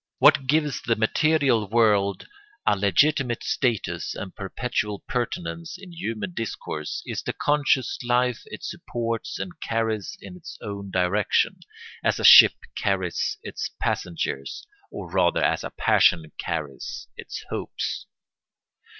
What gives the material world a legitimate status and perpetual pertinence in human discourse is the conscious life it supports and carries in its own direction, as a ship carries its passengers or rather as a passion carries its hopes.